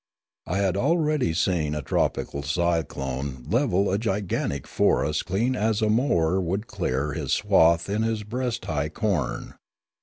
I had al ready seen a tropical cyclone level a gigantic forest clean as a mower would clear his swath in his breast high corn.